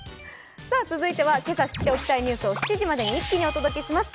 続いては今朝知っておきたいニュースを７時までに一気にお届けします。